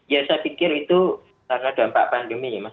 ya saya pikir itu karena dampak pandemi ya mas